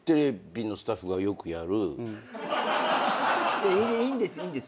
いやいいんですいいんです。